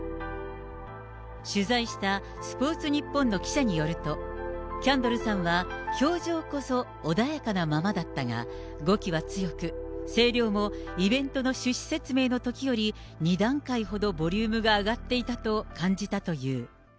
取材したスポーツニッポンの記者によると、キャンドルさんは、表情こそ穏やかなままだったが、語気は強く、声量もイベントの趣旨説明のときより２段階ほどボリュームが上がっていたと感じたという。